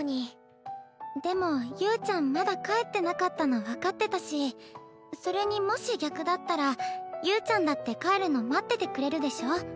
でも侑ちゃんまだ帰ってなかったの分かってたしそれにもし逆だったら侑ちゃんだって帰るの待っててくれるでしょ？